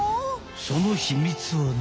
その秘密はね